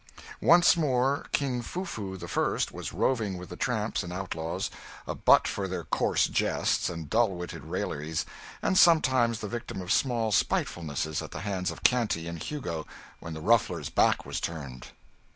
Once more 'King Foo foo the First' was roving with the tramps and outlaws, a butt for their coarse jests and dull witted railleries, and sometimes the victim of small spitefulness at the hands of Canty and Hugo when the Ruffler's back was turned.